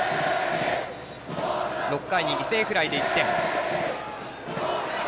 ６回に犠牲フライで１点。